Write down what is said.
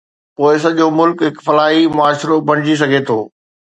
پوءِ سڄو ملڪ هڪ فلاحي معاشرو بڻجي سگهي ٿو.